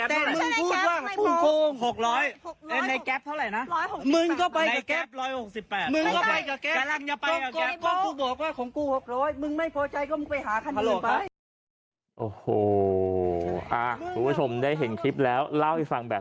แต่มึงพูดว่าชุ่มโค้ง๖๐๐ในแก๊ปเท่าไหร่นะ